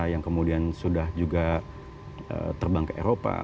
yang kemudian sudah juga terbang ke eropa